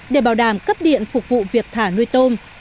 để bảo đảm cấp điện phục vụ việc thả nuôi tôm